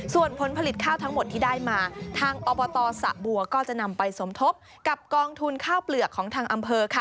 ส่วนผลผลิตข้าวทั้งหมดที่ได้มาทางอสมทบกับกองทุนข้าวเปลือกของทางอำเภอ